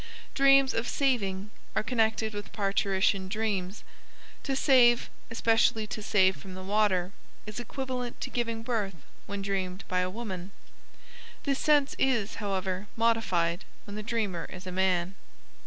Dreams of "saving" are connected with parturition dreams. To save, especially to save from the water, is equivalent to giving birth when dreamed by a woman; this sense is, however, modified when the dreamer is a man.